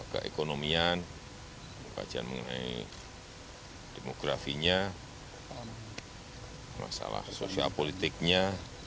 keekonomian kajian mengenai demografinya masalah sosial politiknya